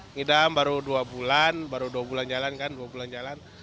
ngidam baru dua bulan baru dua bulan jalan kan dua bulan jalan